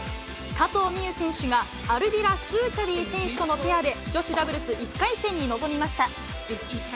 加藤未唯選手がアルディラ・スーチャディ選手とのペアで女子ダブルス１回戦に臨みました。